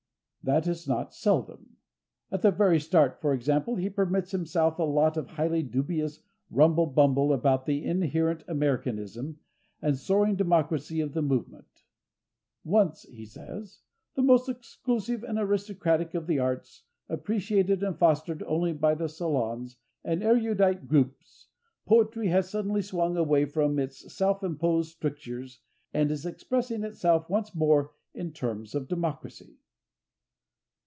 That is not seldom. At the very start, for example, he permits himself a lot of highly dubious rumble bumble about the "inherent Americanism" and soaring democracy of the movement. "Once," he says, "the most exclusive and aristocratic of the arts, appreciated and fostered only by little salons and erudite groups, poetry has suddenly swung away from its self imposed strictures and is expressing itself once more in terms of democracy."